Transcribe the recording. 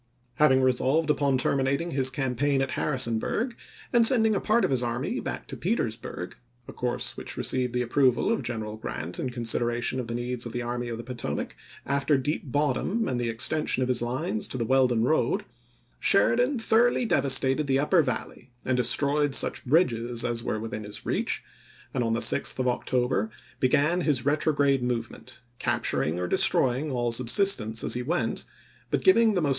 Having resolved upon terminating his campaign at Harrisonburg, and sending a part of his army back to Petersburg, a course which received the approval of General Grant in consideration of the needs of the Army of the Potomac, after Deep Bottom and the extension of his lines to the Wel don road, Sheridan thoroughly devastated the upper Valley and destroyed such bridges as were within his reach, and on the 6th of October began Lincoln to Grant, Sept. 29, 1864. MS. 314 ABRAHAM LINCOLN chap. xiv. his retrograde movement, capturing or destroying all subsistence as he went, but giving the most Oct.